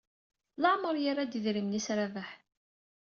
Leɛmeṛ yerra-d idrimen-is Rabaḥ.